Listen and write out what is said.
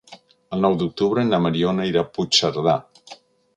El nou d'octubre na Mariona irà a Puigcerdà.